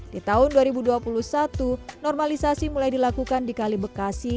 di tahun dua ribu dua puluh satu normalisasi mulai dilakukan di kali bekasi